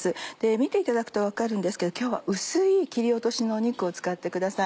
見ていただくと分かるんですけど今日は薄い切り落としの肉を使ってください。